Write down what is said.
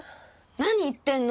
何言ってんの！